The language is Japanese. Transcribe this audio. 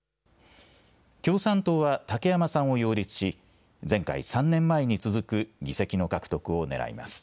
共産党は武山さんを擁立し、前回３年前に続く議席の獲得をねらいます。